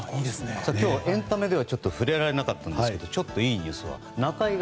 今日エンタメでは触れられなかったんですがちょっといいニュースが。